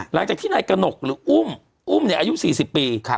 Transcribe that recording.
หลังจากที่นายกระหนกหรืออุ้มอุ้มอายุ๔๐ปี